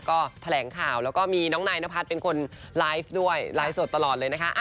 ก็แถลงข่าวแล้วก็มีน้องนายนพัฒน์เป็นคนไลฟ์ด้วยไลฟ์สดตลอดเลยนะคะ